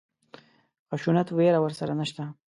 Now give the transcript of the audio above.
خشونت وېره ورسره نشته.